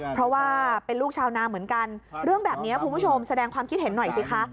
เพราะว่าเป็นลูกชาวนาเหมือนกันเรื่องแบบนี้คุณผู้ชมแสดงความคิดเห็นหน่อยสิคะ